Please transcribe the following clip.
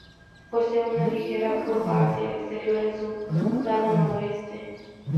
Posee una ligera curva hacia el exterior en su lado noroeste.